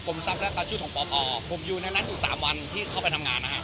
กรมทรัพย์และการ์ชุดของป่อผมอยู่ในนั้นอยู่๓วันที่เข้าไปทำงานนะฮะ